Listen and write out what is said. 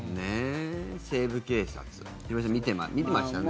「西部警察」ヒロミさん、見てましたね。